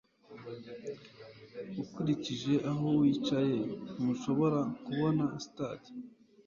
ukurikije aho wicaye, ntushobora kubona stade